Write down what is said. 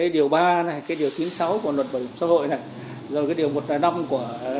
điều ba điều chín mươi sáu của luật bảo hiểm xã hội